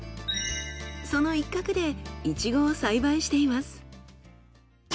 その一角でイチゴを栽培しています。